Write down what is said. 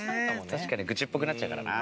確かに愚痴っぽくなっちゃうからな。